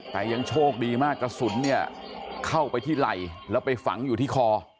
แต่ยังโชคดีมากกระสุนเนี่ยเข้าไปที่ไหล่แล้วไปฝังอยู่ที่คอ